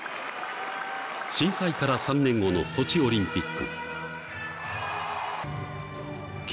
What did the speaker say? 震災から３年後のソチオリンピック。